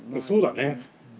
そうだね。